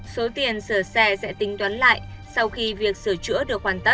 số tiền sửa xe sẽ tính toán lại sau khi việc sửa chữa được hoàn tất